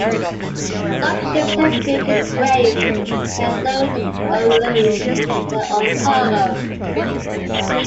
Some ships have built in cranes and can load and unload their own cargo.